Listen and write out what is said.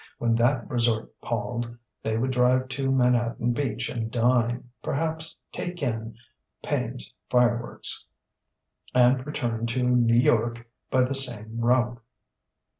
When that resort palled, they would drive to Manhattan Beach and dine, perhaps "take in" Pain's Fireworks; and return to New York by the same route.